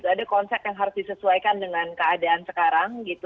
ada konsep yang harus disesuaikan dengan keadaan sekarang gitu